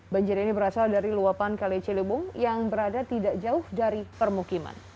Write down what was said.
banjir ini berasal dari luapan kali ciliwung yang berada tidak jauh dari permukiman